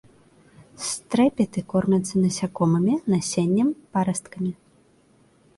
Стрэпеты кормяцца насякомымі, насеннем, парасткамі.